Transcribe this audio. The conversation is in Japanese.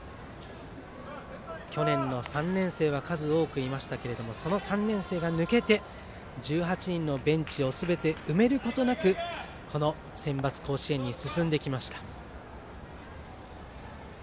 去年の３年生は数多くいましたけどその３年生が抜けて１８人のベンチをすべて埋めることなくこのセンバツ甲子園に進んできました。